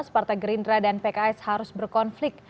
partai gerindra dan pks harus berkonflik